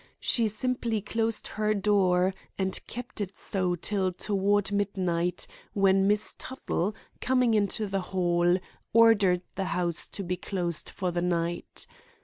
She simply closed her door and kept it so till toward midnight, when Miss Tuttle, coming into the hall, ordered the house to be closed for the night.